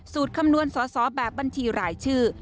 สูตรคำนวณซ้อแบบบัญชีหลายชื่อ